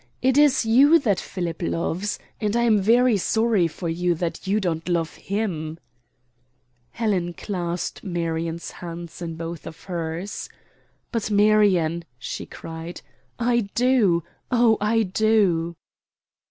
It is you that Philip loves, and I am very sorry for you that you don't love him." Helen clasped Marion's hands in both of hers. "But, Marion!" she cried, "I do, oh, I do!"